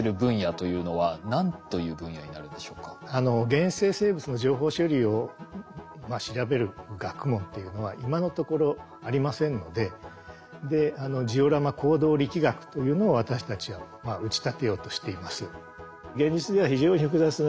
原生生物の情報処理を調べる学問というのは今のところありませんのでジオラマ行動力学というのを私たちは打ち立てようとしています。